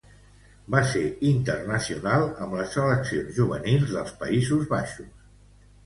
Va ser internacional amb les seleccions juvenils dels Països Baixos.